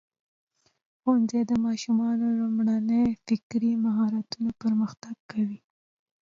ښوونځی د ماشومانو لومړني فکري مهارتونه پرمختګ کوي.